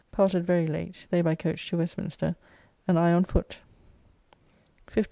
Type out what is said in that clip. Parted very late, they by coach to Westminster, and I on foot. 15th.